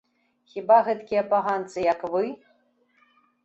Хіба гэткія паганцы, як вы!